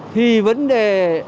thì vấn đề